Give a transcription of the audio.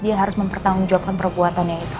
dia harus mempertanggung jawabkan perbuatannya itu